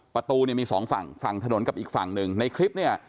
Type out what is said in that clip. ประตูเนี่ยมีสองฝั่งฝั่งถนนกับอีกฝั่งหนึ่งในคลิปเนี่ย